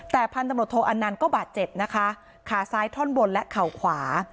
แต่พันตำรวจโทอันนันต์ก็บาดเจ็บนะคะขาซ้ายท่อนบนและเข่าขวา